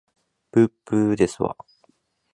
ぶっぶーですわ